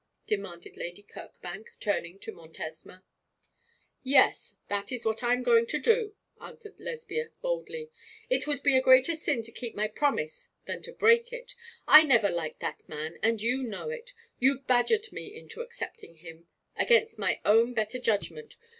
demanded Lady Kirkbank, turning to Montesma. 'Yes; that is what I am going to do,' answered Lesbia, boldly. 'It would be a greater sin to keep my promise than to break it. I never liked that man, and you know it. You badgered me into accepting him, against my own better judgment.